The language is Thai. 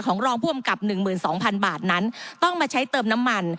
ของรองผู้อำกับหนึ่งหมื่นสองพันบาทนั้นต้องมาใช้เติมน้ำมัน